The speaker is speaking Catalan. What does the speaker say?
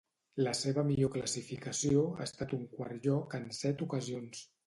La seva millor classificació ha estat un quart lloc en set ocasions.